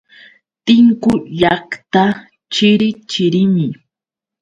Tinku llaqta chiri chirimi.